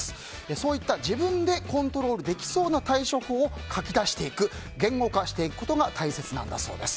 そういった自分でコントロールできそうな対処法を書き出していく言語化していくことが大切なんだそうです。